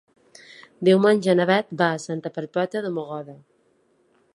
Diumenge na Bet va a Santa Perpètua de Mogoda.